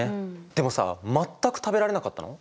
でもさ全く食べられなかったの？